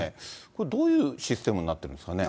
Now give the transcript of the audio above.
これ、どういうシステムになってるんですかね。